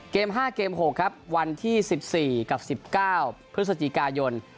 เกม๕เกม๖ครับวันที่๑๔กับ๑๙พฤศจิกายน